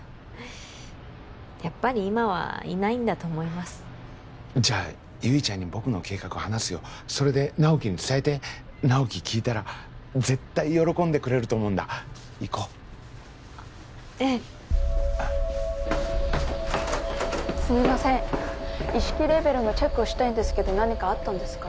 やっぱり今はいないんだと思いますじゃあ悠依ちゃんに僕の計画話すよそれで直木に伝えて直木聞いたら絶対喜んでくれると思うんだ行こうあっええすみません意識レベルのチェックをしたいんですけど何かあったんですか？